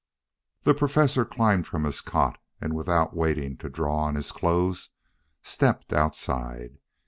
The Professor climbed from his cot, and, without waiting to draw on his clothes, stepped outside.